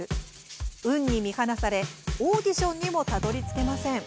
運に見放されオーディションにもたどりつけません。